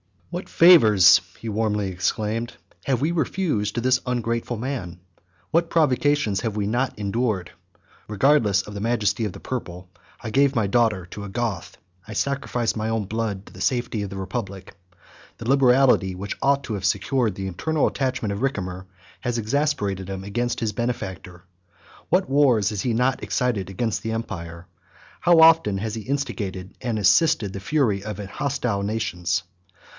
"What favors," he warmly exclaimed, "have we refused to this ungrateful man? What provocations have we not endured! Regardless of the majesty of the purple, I gave my daughter to a Goth; I sacrificed my own blood to the safety of the republic. The liberality which ought to have secured the eternal attachment of Ricimer has exasperated him against his benefactor. What wars has he not excited against the empire! How often has he instigated and assisted the fury of hostile nations!